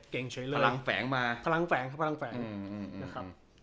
เก่งเฉยเลยพลังแฝงนะครับ